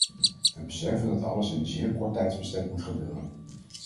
We beseffen dat alles in een zeer kort tijdsbestek moet gebeuren.